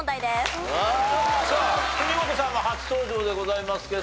さあ国本さんが初登場でございますけど。